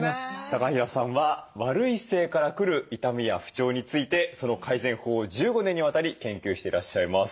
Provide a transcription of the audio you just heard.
高平さんは悪い姿勢から来る痛みや不調についてその改善法を１５年にわたり研究していらっしゃいます。